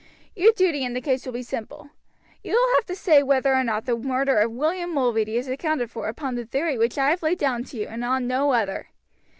"Your duty in the case will be simple. You will have to say whether or not the murder of William Mulready is accounted for upon the theory which I have laid down to you and on no other.